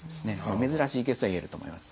珍しいケースといえると思います。